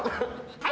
はい。